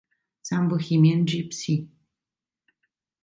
Some Bohemian gipsy.